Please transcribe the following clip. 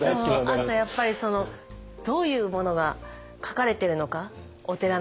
あとやっぱりどういうものが書かれてるのかお寺の鐘に。